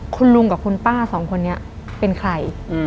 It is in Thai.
คุณลุงกับคุณป้าสองคนนี้เป็นใคร